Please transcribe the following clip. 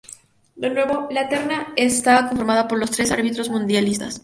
De nuevo, la terna estaba conformada por los tres árbitros mundialistas.